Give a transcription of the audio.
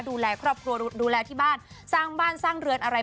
ดูแลครอบครัวดูแลที่บ้านสร้างบ้านสร้างเรือนอะไร